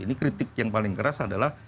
ini kritik yang paling keras adalah